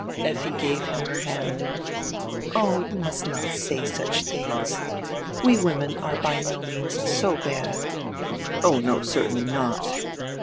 Effi gave him her hand. "Oh, you must not say such tilings. We women are by no means so bad." "Oh, no, certainly not."